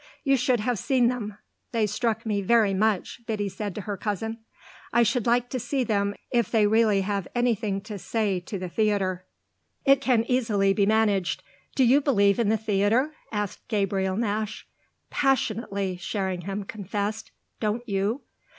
"You should have seen them; they struck me very much," Biddy said to her cousin. "I should like to see them if they really have anything to say to the theatre." "It can easily be managed. Do you believe in the theatre?" asked Gabriel Nash. "Passionately," Sherringham confessed. "Don't you?"